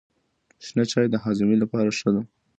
شنه چای د هاضمې لپاره ښه دی.